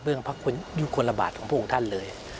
เบื้องพยุคคลบาทของพวกองค์ท่านเลย